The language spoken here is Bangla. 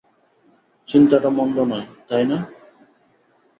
চিন্তাটা মন্দ নয়, তাই না?